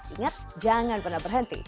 ingat jangan pernah berhenti